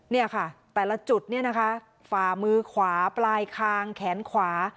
เนี่ยค่ะแต่ละจุดเนี่ยนะคะฝ่ามือขวาปลายคางแขนขวา